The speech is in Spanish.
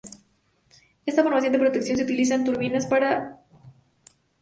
Esta forma de protección se utiliza en turbinas por varias razones.